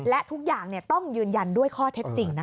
และทุกอย่างต้องยืนยันด้วยข้อเท็จจริงนะคะ